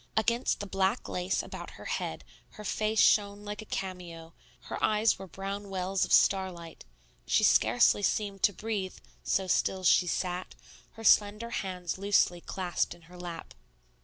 Against the black lace about her head her face shone like a cameo, her eyes were brown wells of starlight; she scarcely seemed to breathe, so still she sat, her slender hands loosely clasped in her lap.